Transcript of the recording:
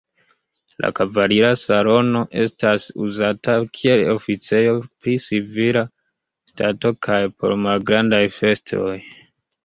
La kavalira salono estas uzata kiel oficejo pri civila stato kaj por malgrandaj festoj.